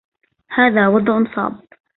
هذا وضع صعب.